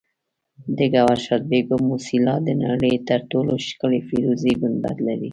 د ګوهرشاد بیګم موسیلا د نړۍ تر ټولو ښکلي فیروزي ګنبد لري